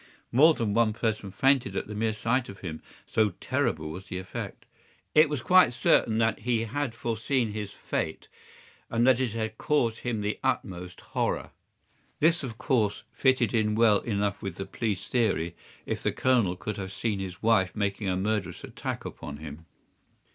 More than one person fainted at the mere sight of him, so terrible was the effect. It was quite certain that he had foreseen his fate, and that it had caused him the utmost horror. This, of course, fitted in well enough with the police theory, if the Colonel could have seen his wife making a murderous attack upon him.